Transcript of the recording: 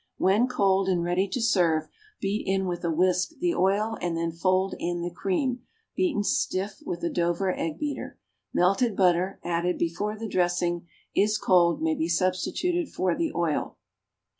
When cold and ready to serve, beat in with a whisk the oil, and then fold in the cream, beaten stiff with a Dover egg beater. Melted butter, added before the dressing is cold, may be substituted for the oil.